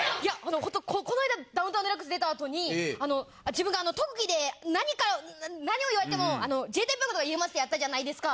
こないだ『ダウンタウンＤＸ』出た後に自分が特技で何か何を言われても自衛隊っぽいことが言えますってやったじゃないですか。